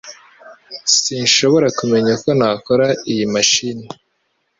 Sinshobora kumenya uko nakora iyi mashini